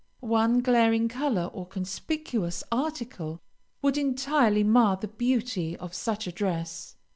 One glaring color, or conspicuous article, would entirely mar the beauty of such a dress.